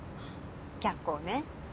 脚光ね。